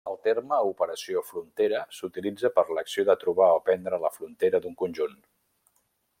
El terme operació frontera s'utilitza per l'acció de trobar o prendre la frontera d'un conjunt.